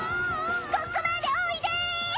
ここまでおいで！